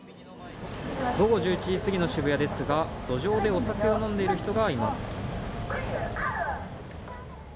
午後１１時過ぎの渋谷ですが路上でお酒を飲んでいる人がいます。